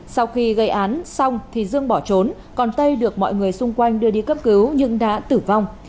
sau khi gây án xong thì dương bỏ trốn còn tây được mọi người xung quanh đưa đi cấp cứu nhưng đã tử vong